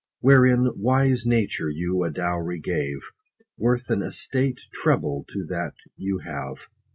Wherein wise nature you a dowry gave, Worth an estate, treble to that you have.